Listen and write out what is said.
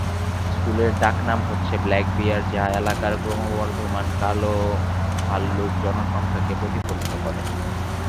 স্কুলের ডাকনাম হচ্ছে ব্ল্যাক বিয়ার, যা এলাকার ক্রমবর্ধমান কালো ভাল্লুক জনসংখ্যাকে প্রতিফলিত করে।